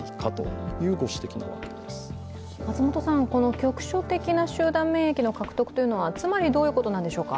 局所的な集団免疫の獲得というのはつまりどういうことなんでしょうか？